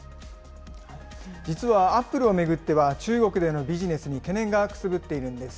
実はアップルを巡っては、中国でのビジネスに懸念がくすぶっているんです。